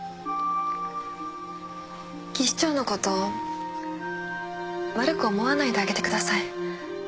技師長のこと悪く思わないであげてください。